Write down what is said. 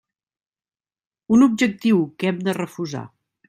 Un objectiu que hem de refusar.